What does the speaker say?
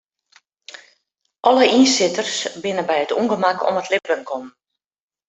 Alle ynsitters binne by it ûngemak om it libben kommen.